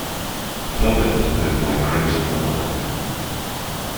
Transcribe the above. Famine had been my great ally.